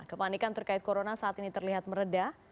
kepanikan terkait corona saat ini terlihat meredah